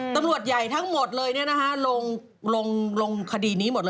ตำรวจใหญ่ทั้งหมดเลยลงคดีนี้หมดเลย